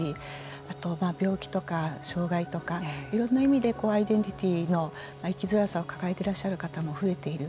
あと、病気とか、障害とかいろんな意味で生きづらさを抱えていらっしゃる方も増えている。